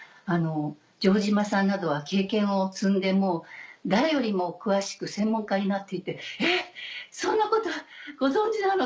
城島さんなどは経験を積んで誰よりも詳しく専門家になっていて「そんなことご存じなの？